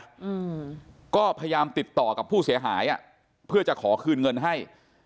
อืมก็พยายามติดต่อกับผู้เสียหายอ่ะเพื่อจะขอคืนเงินให้